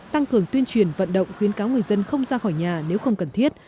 tăng cường tuyên truyền vận động khuyến cáo người dân không ra khỏi nhà nếu không cần thiết